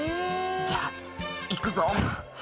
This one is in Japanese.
じゃあ、いくぞ！